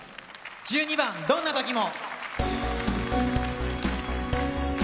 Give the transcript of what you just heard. １２番「どんなときも。」。